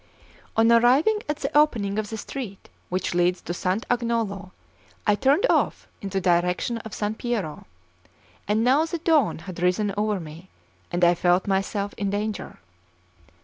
On arriving at the opening of the street which leads to Sant' Agnolo, I turned off in the direction of San Piero; and now the dawn had risen over me, and I felt myself in danger.